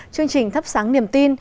chương trình thắp sáng niềm tin